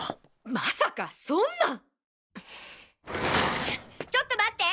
まさかそんな！！ちょっと待って！